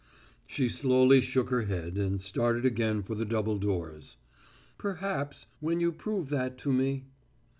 She slowly shook her head and started again for the double doors. "Perhaps when you prove that to me